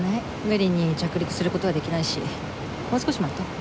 無理に着陸する事はできないしもう少し待とう。